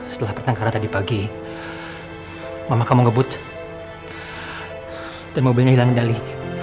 setelah pertengkaran tadi pagi mama kamu ngebut dan mobilnya hilang kendali